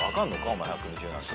お前１２０なんて。